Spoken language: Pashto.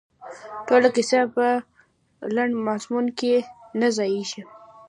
ټوله کیسه په لنډ مضمون کې نه ځاییږي.